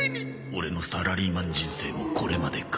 オレのサラリーマン人生もこれまでか